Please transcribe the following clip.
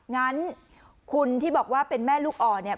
งั้นคุณที่บอกว่าเป็นแม่ลูกอ่อนเนี่ย